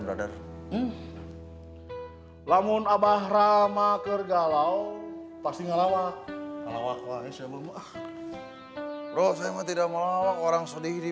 brother lamun abahrama kergalau pasti ngalawa